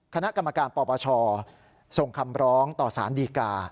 คณะกรรมการปปชส่งคำร้องต่อสารดีกา